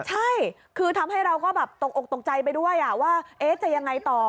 ใช่คือทำให้เราก็แบบตกอกตกใจไปด้วยว่าจะยังไงต่อ